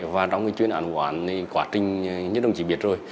và trong cái chuyên án quản quá trình như đồng chí biết rồi